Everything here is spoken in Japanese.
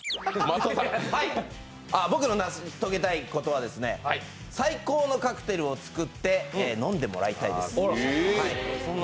僕の成し遂げたいことは最高のカクテルを作って、飲んでもらいたいです。